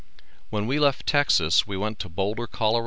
When we left Texas we went to Boulder, Colo.